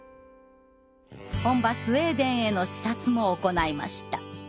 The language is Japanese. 本場スウェーデンへの視察も行いました。